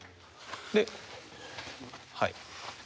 ではい。